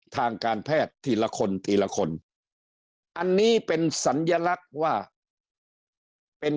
ทางการแพทย์ทีละคนทีละคนอันนี้เป็นสัญลักษณ์ว่าเป็น